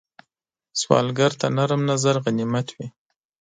سوالګر ته نرم نظر غنیمت وي